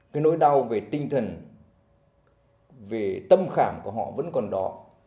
cái nỗi đau về tinh thần về tâm khảm của họ vẫn còn đó